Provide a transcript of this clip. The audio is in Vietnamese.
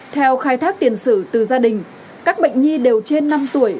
theo khai thác tiền sử từ gia đình các bệnh nhi đều trên năm tuổi